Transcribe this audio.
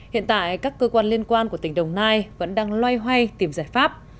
hiện tại các cơ quan liên quan của tỉnh đồng nai vẫn đang loay hoay tìm giải pháp